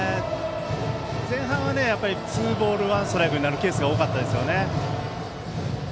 前半はツーボールワンストライクになるケースが多かったですね。